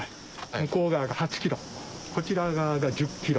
向こう側が８キロこちら側が１０キロ。